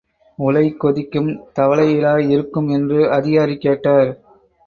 உலை கொதிக்கும் தவலையிலா இருக்கும்? என்று அதிகாரி கேட்டார்.